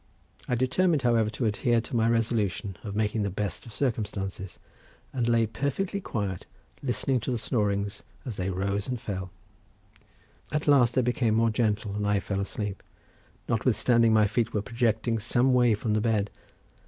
I determined, however, to adhere to my resolution of making the best of circumstances, and lay perfectly quiet, listening to the snorings as they rose and fell; at last they became more gentle and I fell asleep, notwithstanding my feet were projecting some way from the bed.